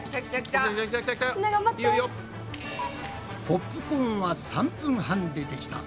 ポップコーンは３分半でできた。